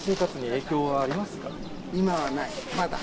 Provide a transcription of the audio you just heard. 今はない、まだ。